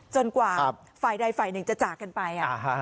จนกว่าไฟไหนไฟหนึ่งจะจากกันไป